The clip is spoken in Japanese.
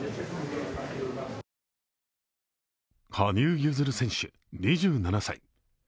羽生結弦選手、２７歳。